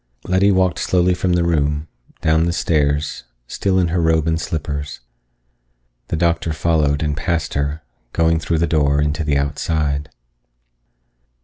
Letty walked slowly from the room, down the stairs, still in her robe and slippers. The doctor followed and passed her, going through the door into the outside.